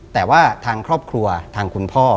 แต่ว่าทางครอบครัวทางคุณพ่อ